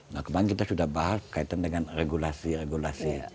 nah kemarin kita sudah bahas kaitan dengan regulasi regulasi